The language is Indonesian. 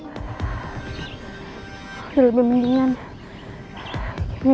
aku harus cepat cepat ngurus keberangkatannya